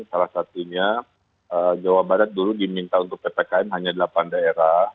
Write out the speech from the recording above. salah satunya jawa barat dulu diminta untuk ppkm hanya delapan daerah